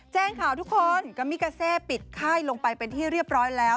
แจ้งข่าวทุกคนกัมมิกาเซปิดค่ายลงไปเป็นที่เรียบร้อยแล้ว